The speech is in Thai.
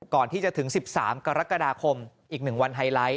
ก่อนที่จะถึง๑๓กรกฎาคมอีก๑วันไฮไลท์